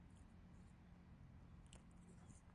Personal por Ian MacDonald.